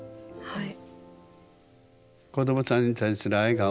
はい。